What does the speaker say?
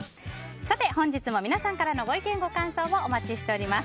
本日も皆さんからのご意見ご感想をお待ちしております。